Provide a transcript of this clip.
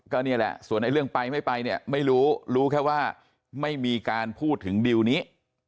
ก็นี่แหละส่วนไอ้เรื่องไปไม่ไปเนี่ยไม่รู้รู้แค่ว่าไม่มีการพูดถึงดิวนี้